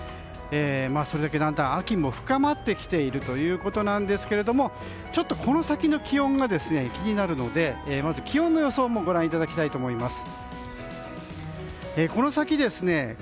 それだけ、だんだん秋も深まってきているということですがこの先の気温が、気になるのでまず気温の予想もご覧いただきたいと思います。